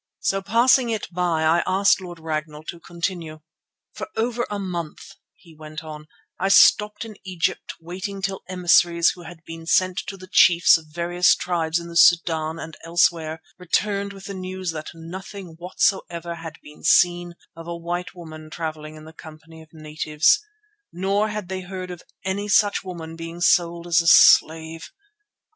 So passing it by I asked Lord Ragnall to continue. "For over a month," he went on, "I stopped in Egypt waiting till emissaries who had been sent to the chiefs of various tribes in the Sudan and elsewhere, returned with the news that nothing whatsoever had been seen of a white woman travelling in the company of natives, nor had they heard of any such woman being sold as a slave.